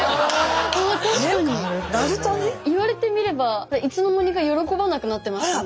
言われてみればいつの間にか喜ばなくなってましたね。